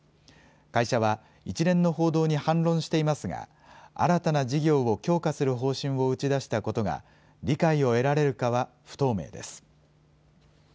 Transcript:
会社は、一連の報道に反論していますが、新たな事業を強化する方針を打ち出したことが、理解を得られるかは不透明です。